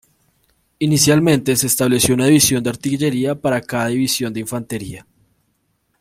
Inicialmente se estableció una división de artillería para cada división de infantería.